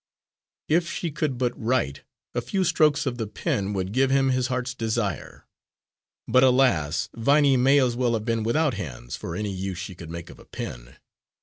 If she could but write, a few strokes of the pen would give him his heart's desire! But, alas! Viney may as well have been without hands, for any use she could make of a pen.